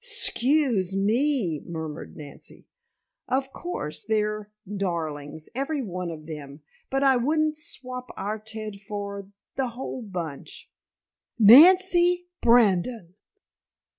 "'S'cuse me," murmured Nancy. "Of course, they're darlings, every one of them, but I wouldn't swap our Ted for the whole bunch!" "Nancy Brandon!!"